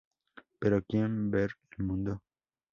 Pero quiere ver mundo.